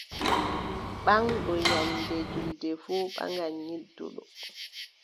Ɓaŋɗo nyannde juulde fuu ɓaŋan nyidduɗo.